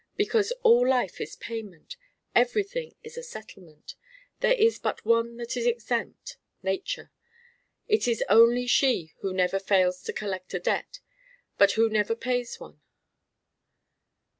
Because all life is payment; everything is a settlement. There is but one that is exempt Nature. It is only she who never fails to collect a debt but who never pays one.